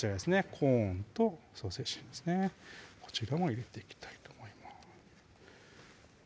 コーンとソーセージですねこちらも入れていきたいと思います